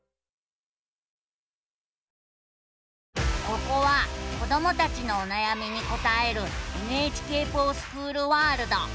ここは子どもたちのおなやみに答える「ＮＨＫｆｏｒＳｃｈｏｏｌワールド」。